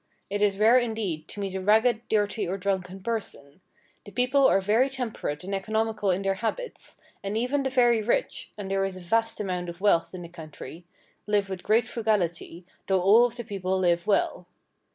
It is rare, indeed, to meet a ragged, dirty, or drunken person. The people are very temperate and economical in their habits; and even the very rich, and there is a vast amount of wealth in the country live with great frugality, though all of the people live well.